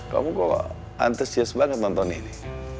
kamu kok antusias banget nonton ini